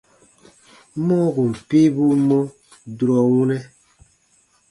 Mɔɔ kùn piibuu mɔ durɔ wunɛ: